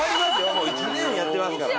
もう１年やってますから。